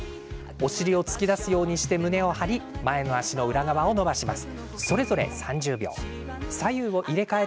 お尻を突き出すようにして胸を張り前の足の裏側を伸ばします。